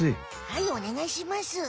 はいおねがいします。